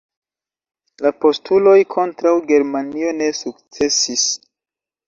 La postuloj kontraŭ Germanio ne sukcesis.